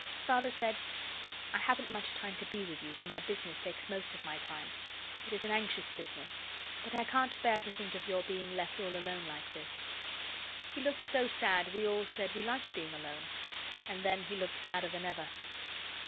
Father said, 'I haven't much time to be with you, for my business takes most of my time. It is an anxious business but I can't bear to think of your being left all alone like this.' He looked so sad we all said we liked being alone. And then he looked sadder than ever.